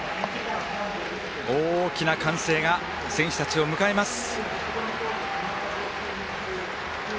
大きな歓声が選手たちを迎えます。